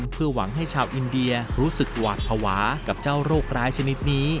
เพื่อหวังให้ชาวอินเดียรู้สึกหวาดภาวะกับเจ้าโรคร้ายชนิดนี้